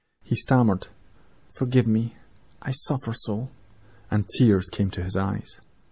He stammered: "'Forgive me. I suffer so much!' "And tears came to his eyes.